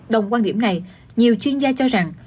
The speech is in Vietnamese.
đồng quan điểm này nhiều chuyên gia cho rằng